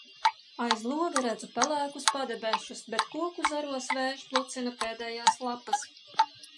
Aiz loga redzu pelēkus padebešus, bet koku zaros vējš plucina pēdējās lapas.